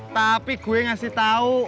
tapi gue ngasih tau